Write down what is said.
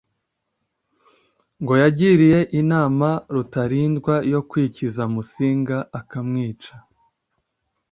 ngo yagiriye inama Rutalindwa yo kwikiza Musinga akamwica,